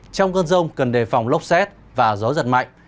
trong cơn rông cần đề phòng lốc xét và gió giật mạnh